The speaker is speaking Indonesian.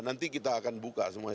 nanti kita akan buka semua